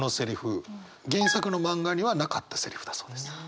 原作の漫画にはなかったセリフだそうです。